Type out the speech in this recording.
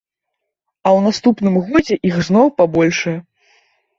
А ў наступным годзе іх зноў пабольшае.